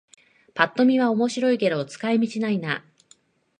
ぱっと見は面白いけど使い道ないな